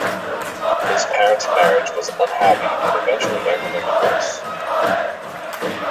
His parents' marriage was unhappy and eventually ended in divorce.